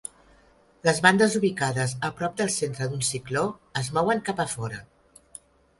Les bandes ubicades a prop del centre d'un cicló es mouen cap a fora.